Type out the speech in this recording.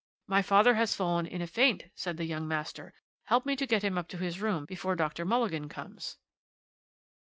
"My father has fallen in a faint," said the young master; "help me to get him up to his room before Dr. Mulligan comes."